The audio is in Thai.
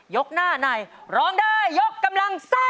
ยกหน้านายร้องด้วยยกกำลังซ่า